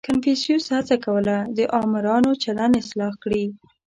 • کنفوسیوس هڅه کوله، د آمرانو چلند اصلاح کړي.